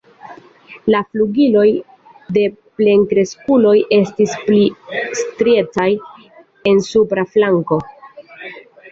La flugiloj de plenkreskuloj estas pli striecaj en supra flanko.